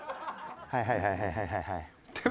はいはいはいはい。